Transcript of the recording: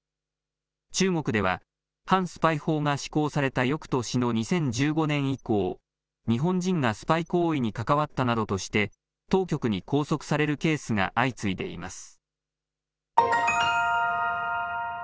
中国では反スパイ法が施行されたよくとしの２０１５年以降、日本人がスパイ行為に関わったなどとして当局に拘束されるケースが相次いでいます。